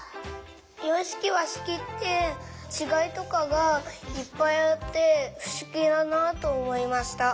ようしきわしきってちがいとかがいっぱいあってふしぎだなとおもいました。